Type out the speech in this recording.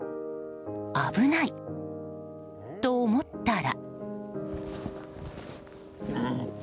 危ない！と思ったら。